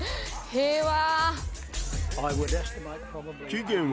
平和。